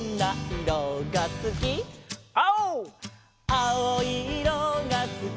「あおいいろがすき」